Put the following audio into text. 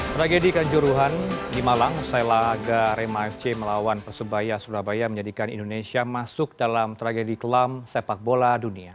tragedi kanjuruhan di malang usai laga rema fc melawan persebaya surabaya menjadikan indonesia masuk dalam tragedi kelam sepak bola dunia